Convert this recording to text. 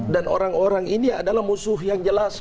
dan orang orang ini adalah musuh yang jelas